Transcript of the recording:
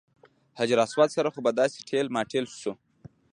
حجر اسود سره خو به داسې ټېل ماټېل شو.